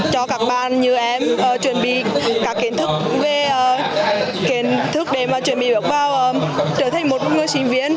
có các bạn như em chuẩn bị các kiến thức về kiến thức để mà chuẩn bị được vào trở thành một người sinh viên